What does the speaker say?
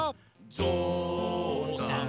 「ぞうさん